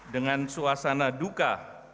dengan suasana duka